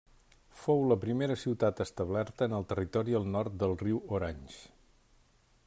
Fou la primera ciutat establerta en el territori al nord del riu Orange.